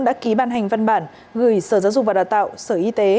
đã ký ban hành văn bản gửi sở giáo dục và đào tạo sở y tế